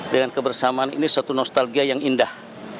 dengan kebersamaan ini suatu nostalgia yang indah